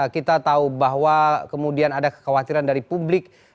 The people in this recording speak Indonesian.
kita tahu bahwa kemudian ada kekhawatiran dari publik